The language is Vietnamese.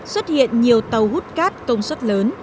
xuất hiện nhiều tàu hút cát công suất lớn